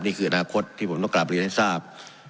นี่คืออนาคตที่ผมต้องกลับเรียนให้ทราบ